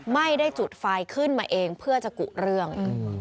ไม่ได้จุดไฟขึ้นมาเองเพื่อจะกุเรื่อง